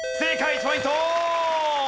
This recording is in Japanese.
１ポイント。